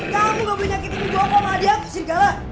kamu gak boleh nyakitin jual bawa hadiah ke sirgalan